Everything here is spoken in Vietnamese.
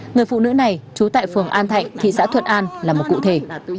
người phụ nữ này trú tại phường an thạnh thị xã thuận an là một cụ thể